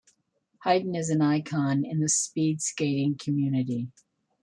Heiden is an icon in the speed skating community.